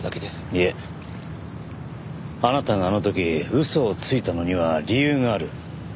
いえあなたがあの時嘘をついたのには理由がある。